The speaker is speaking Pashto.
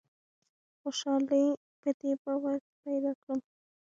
خوشالي په دې باور کې پیدا کړم.